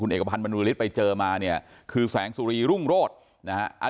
คุณเอกพันธ์มนุษยศไปเจอมาเนี่ยคือแสงสุรีรุ่งโรดนะฮะ